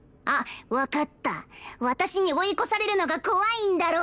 私に追い越されるのが怖いんだろ！